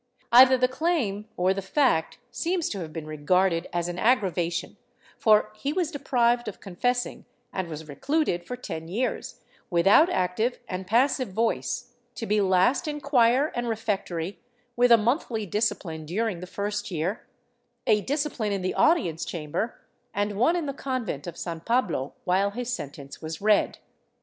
Either the claim or the fact seems to have been regarded as an aggravation, for he was deprived of confessing and was recluded for ten years, without active and passive voice, to be last in choir and refectory, with a monthly discipline during the first year, a discipline in the audience chamber and one in the convent of San Pal^lo while his sentence was read.